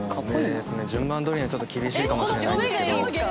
順番どおりにはちょっと厳しいかもしれないんですけど。